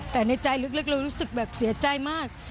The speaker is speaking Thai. แต่ในใจลึกเรารู้สึกแบบเสียใจมาก